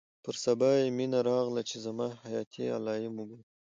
پر سبا يې مينه راغله چې زما حياتي علايم وګوري.